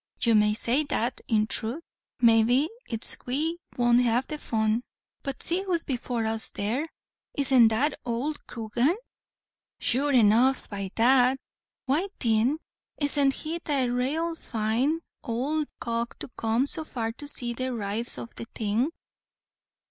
"You may say that in throth maybe it's we won't have the fun but see who's before us there. Isn't it that owld Coogan?" "Sure enough by dad." "Why thin isn't he the rale fine ould cock to come so far to see the rights o' the thing?"